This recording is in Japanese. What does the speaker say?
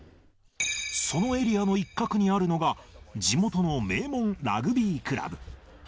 そのエリアの一角にあるのが、地元の名門ラグビークラブ。